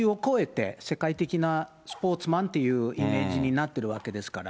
野球を超えて、世界的なスポーツマンっていうイメージになってるわけですから。